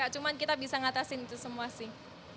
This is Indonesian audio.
cuma kita bisa ngatasin itu semua sih